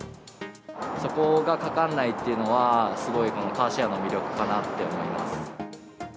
そこがかからないっていうのは、すごい、このカーシェアの魅力かなって思います。